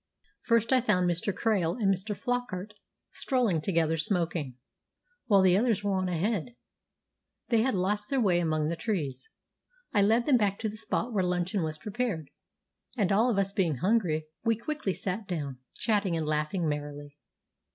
First I found Mr. Krail and Mr. Flockart strolling together smoking, while the others were on ahead. They had lost their way among the trees. I led them back to the spot where luncheon was prepared; and, all of us being hungry, we quickly sat down, chatting and laughing merrily.